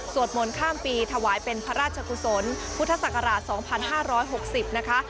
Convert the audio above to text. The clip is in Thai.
สวดมนต์ข้ามปีถวายเป็นพระราชกุศลพุทธศักราชสองพันห้าร้อยหกสิบนะคะ